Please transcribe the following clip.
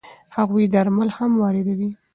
هغوی درمل هم واردوي.